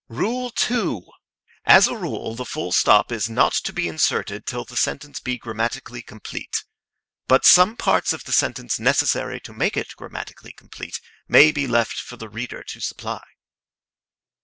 II. As a rule the full stop is not to be inserted till the sentence be grammatically complete. But some parts of the sentence necessary to make it grammatically complete may be left for the reader to supply.